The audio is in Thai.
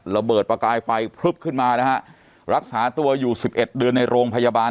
ระเบิดประกายไฟพลึบขึ้นมานะฮะรักษาตัวอยู่สิบเอ็ดเดือนในโรงพยาบาล